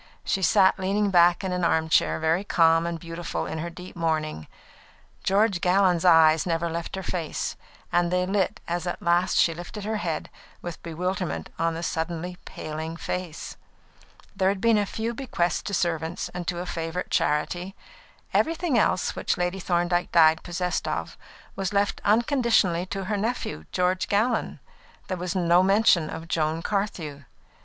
She sat leaning back in an armchair, very calm and beautiful in her deep mourning. George Gallon's eyes never left her face, and they lit as at last she lifted her head, with bewilderment on the suddenly paling face. There had been a few bequests to servants and to a favourite charity. Everything else which Lady Thorndyke died possessed of was left unconditionally to her nephew, George Gallon. There was no mention of Joan Carthew.